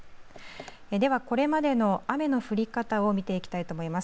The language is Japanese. では、これまでの雨の降り方を見ていきたいと思います。